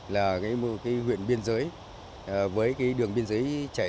là một huyện biên giới với đường biên giới trải